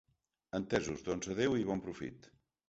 Entesos, doncs adéu i bon profit!